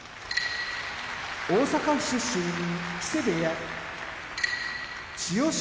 大阪府出身木瀬部屋千代翔